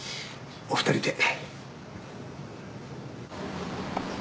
お二人で。